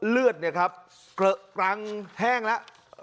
เลือดเนี่ยครับกำแห้งแล้ว